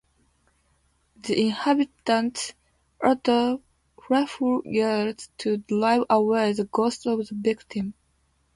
The inhabitants utter frightful yells to drive away the ghost of the victim.